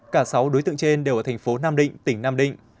cả sáu đối tượng trên đều ở thành phố nam định tỉnh nam định